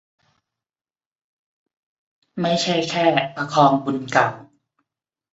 ไม่ใช่แค่ประคองบุญเก่า